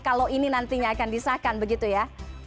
kalau ini nantinya akan disahkan begitu ya